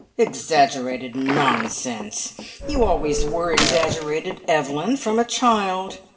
"Exaggerated nonsense! You always were exaggerated, Evelyn, from a child.